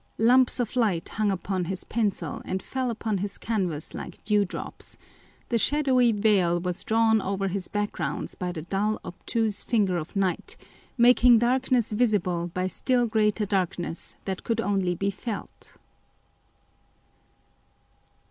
Lumps of light hung upon his pencil and fell upon his canvas like dewdrops :* the shadowy veil wTas drawn over his backgrounds by the dull, obtuse finger of night, making darkness visible by still greater darkness that could only be felt